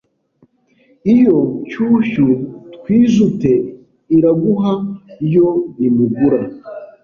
Iyo nshyushyu twijute Iraguha yo ntimugura